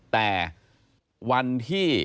แต่วันที่